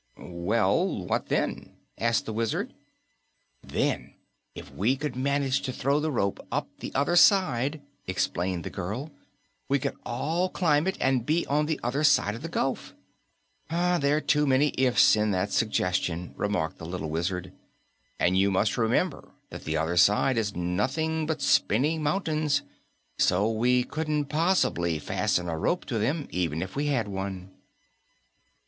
"Well, what then?" asked the Wizard. "Then, if we could manage to throw the rope up the other side," explained the girl, "we could all climb it and be on the other side of the gulf." "There are too many 'if's' in that suggestion," remarked the little Wizard. "And you must remember that the other side is nothing but spinning mountains, so we couldn't possibly fasten a rope to them, even if we had one."